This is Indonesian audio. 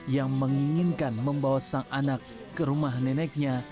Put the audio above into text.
yang menginginkan membawa sang anak ke rumah neneknya